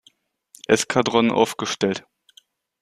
Eskadron aufgestellt.